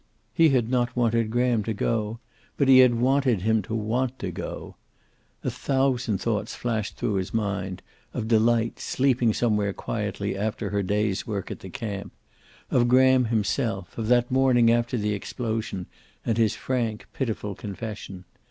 He had not wanted Graham to go, but he had wanted him to want to go. A thousand thoughts flashed through his mind, of Delight, sleeping somewhere quietly after her day's work at the camp; of Graham himself, of that morning after the explosion, and his frank, pitiful confession.